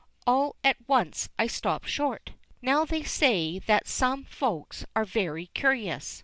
All at once I stopped short. Now they say that some Folks are very curious.